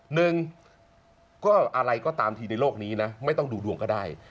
หนึ่งก็อะไรก็ตามทีในโลกนี้นะไม่ต้องดูดวงก็ได้